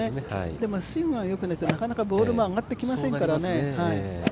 でもスイングがよくないとなかなかボールも上がってきませんからね。